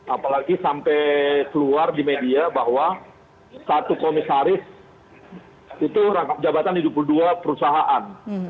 apalagi sampai keluar di media bahwa satu komisaris itu rangkap jabatan di dua puluh dua perusahaan